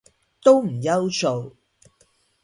都唔憂做